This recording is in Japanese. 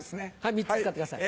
３つ使ってください。